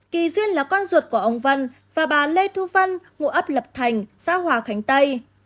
kỳ duyên là con ruột của ông văn và bà lê thu văn ngụ ấp lập thành xã hòa khánh tây